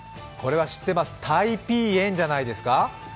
これは知ってます、タイピーエンじゃないですか？